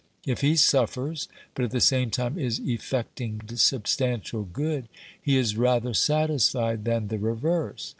If he suffers, but at the same time is effecting substantial good, he is rather satisfied than the reverse.